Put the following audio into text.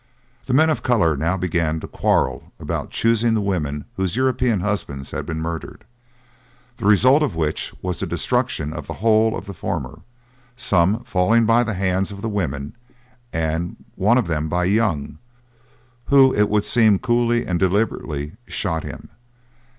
The men of colour now began to quarrel about choosing the women whose European husbands had been murdered; the result of which was the destruction of the whole of the former, some falling by the hands of the women, and one of them by Young, who it would seem coolly and deliberately shot him.